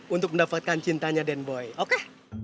untuk mendapatkan cintanya den boy oke